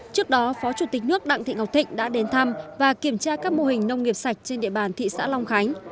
trước đó phó chủ tịch nước đặng thị ngọc thịnh đã đến thăm và kiểm tra các mô hình nông nghiệp sạch trên địa bàn thị xã long khánh